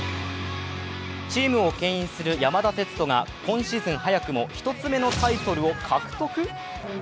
チームをけん引する山田哲人が今シーズン早くも１つ目のタイトルを獲得？